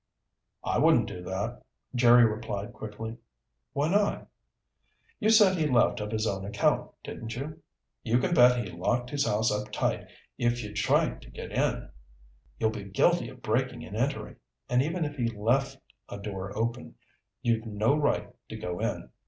"I wouldn't do that," Jerry replied quickly. "Why not?" "You said he left of his own accord, didn't you? You can bet he locked his house up tight. If you try to get in, you'll be guilty of breaking and entering. And even if he left a door open, you've no right to go in.